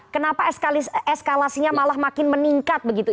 kenapa eskalasinya malah makin meningkat begitu